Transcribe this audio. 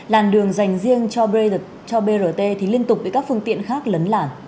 làn đường dành riêng cho brt thì liên tục bị các phương tiện khác lấn lản